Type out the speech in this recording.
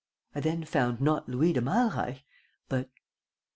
I then found not Louis de Malreich, but